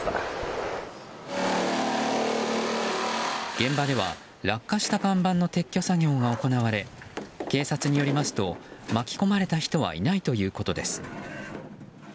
現場では落下した看板の撤去作業が行われ警察によりますと巻き込まれた人はいないということです。